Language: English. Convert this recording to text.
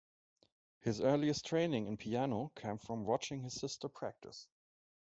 His earliest training in piano came from watching his sister practice.